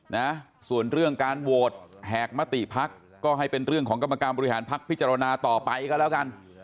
นะส่วนเรื่องการโหวตแหกมติพักก็ให้เป็นเรื่องของกรรมการบริหารพักพิจารณาต่อไปก็แล้วกัน